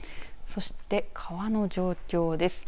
そして、川の状況です。